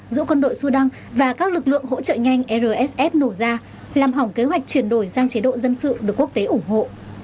giữa quân đội sudan và các lực lượng hỗ trợ nhanh rsf nổ ra làm hỏng kế hoạch chuyển đổi sang chế độ dân sự được quốc tế ủng hộ